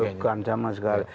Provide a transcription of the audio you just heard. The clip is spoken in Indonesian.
bukan sama sekali